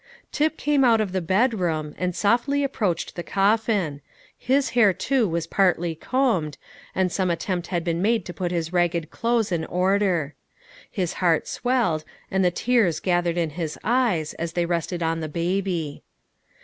Tip came out of the bedroom, and softly approached the coffin; his hair, too, was partly combed, and some attempt had been made to put his ragged clothes in order. His heart swelled, and the tears gathered in his eyes, as they rested on the baby.